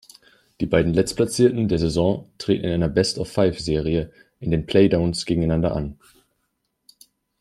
Die beiden Letztplatzierten der Saison treten in einer "Best-of-Five"-Serie in den Play-downs gegeneinander an.